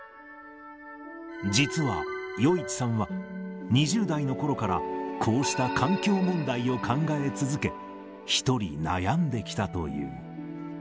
実は余一さんは、２０代のころから、こうした環境問題を考え続け、一人悩んできたという。